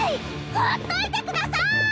ほっといてください！